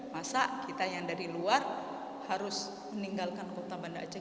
masa kita yang dari luar harus meninggalkan kota banda aceh